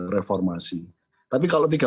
reformasi tapi kalau tiga